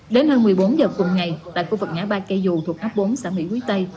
đến hơn một mươi bốn giờ cùng ngày tại khu vực ngã ba cây dù thuộc ấp bốn xã mỹ quý tây